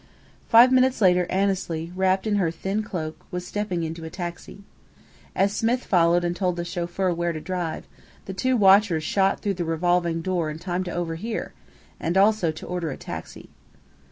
Five minutes later Annesley, wrapped in her thin cloak, was stepping into a taxi. As Smith followed and told the chauffeur where to drive, the two watchers shot through the revolving door in time to overhear, and also to order a taxi.